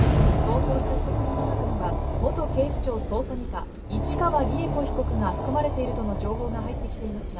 逃走した被告人の中には元警視庁捜査二課市川利枝子被告が含まれているとの情報が入ってきていますが。